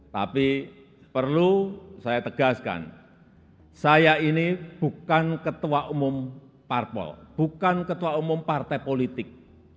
tapi perlu saya tegaskan saya ini bukan ketua umum parpol bukan ketua umum partai politik